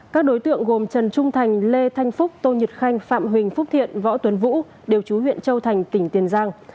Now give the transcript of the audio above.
các đối tượng gồm trần trung thành lê thanh phúc tô nhật khanh phạm huỳnh phúc thiện võ tuấn vũ đều chú huyện châu thành tỉnh tiền giang